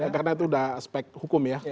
karena itu sudah aspek hukum ya